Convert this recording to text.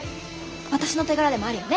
私の手柄でもあるよね？